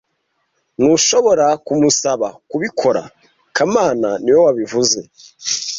Ntushobora kumusaba kubikora kamana niwe wabivuze